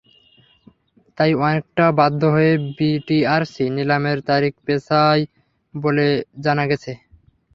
তাই অনেকটা বাধ্য হয়েই বিটিআরসি নিলামের তারিখ পেছায় বলে জানা গেছে।